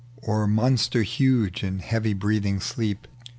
Or monster huge in heavj' breathing sleep.